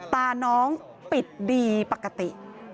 ตาน้องปิดดีปกติ